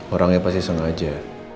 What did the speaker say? orangnya pasti sengaja